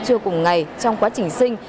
trưa cùng ngày trong quá trình sinh